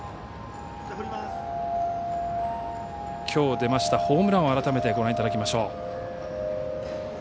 きょう出ましたホームランを改めてご覧いただきましょう。